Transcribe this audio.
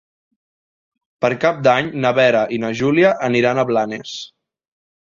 Per Cap d'Any na Vera i na Júlia aniran a Blanes.